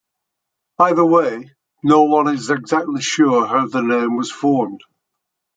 Either way, no one is exactly sure how the name was formed.